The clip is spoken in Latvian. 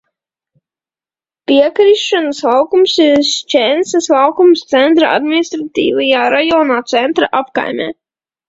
Piekrišanas laukums ir Ščecinas laukums Centra administratīvajā rajonā, Centra apkaimē.